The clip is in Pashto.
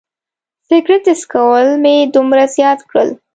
سګرټ څکول مې دومره زیات کړل.